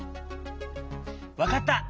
わかった！